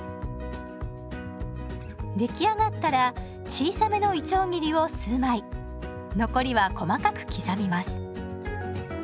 出来上がったら小さめのいちょう切りを数枚残りは細かく刻みます。